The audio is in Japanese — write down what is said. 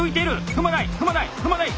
踏まない踏まない踏まない！